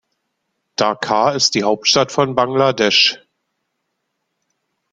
Dhaka ist die Hauptstadt von Bangladesch.